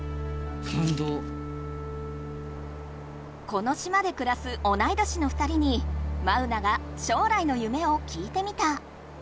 この島でくらす同い年の２人にマウナが将来の夢を聞いてみた。